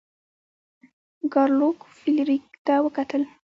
ګارلوک فلیریک ته وکتل.